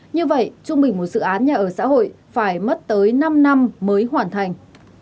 như vậy trung bình một dự án nhà ở xã hội phải mất tới năm năm mới hoàn thành